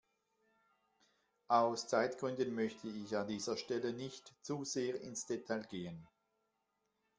Aus Zeitgründen möchte ich an dieser Stelle nicht zu sehr ins Detail gehen.